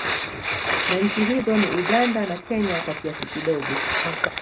Na Nchi hizo ni Uganda na Kenya kwa kiasi kidogo